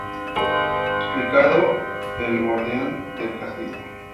Riccardo: El guardián del castillo.